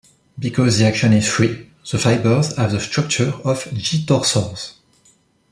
Because the action is free, the fibers have the structure of "G"-torsors.